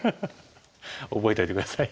覚えておいて下さい。